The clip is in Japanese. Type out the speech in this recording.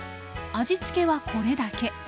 味付けはこれだけ。